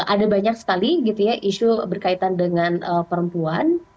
ada banyak sekali gitu ya isu berkaitan dengan perempuan